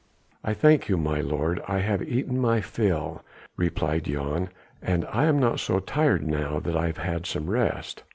"I thank you, my lord, I have eaten my fill," replied Jan, "and I am not so tired now that I have had some rest."